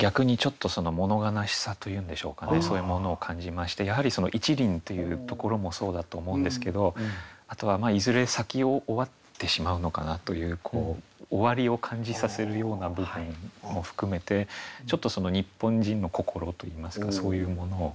そういうものを感じましてやはりその「一輪」っていうところもそうだと思うんですけどあとはいずれ咲き終わってしまうのかなという終わりを感じさせるような部分も含めてちょっと日本人の心といいますかそういうものを。